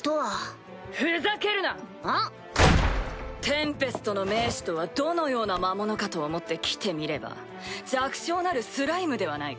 テンペストの盟主とはどのような魔物かと思って来てみれば弱小なるスライムではないか。